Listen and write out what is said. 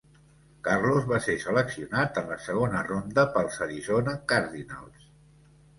Karlos va ser seleccionat en la segona ronda pels Arizona Cardinals.